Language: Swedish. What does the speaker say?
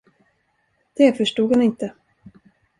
Det förstod han inte.